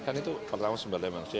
kan itu pertama sumber daya manusia